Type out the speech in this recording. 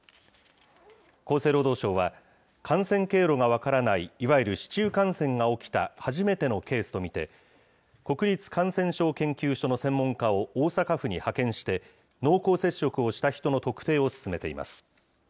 厚生労働省は、感染経路が分からないいわゆる市中感染が起きた初めてのケースと見て、国立感染症研究所の専門家を、大阪府に派遣して、濃厚接触をした人の特定を進めています。